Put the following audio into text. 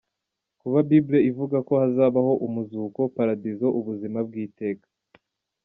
Kuba Bible ivuga ko hazabaho Umuzuko, Paradizo, ubuzima bw’iteka,.